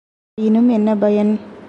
ஆயினும் என்ன பயன்?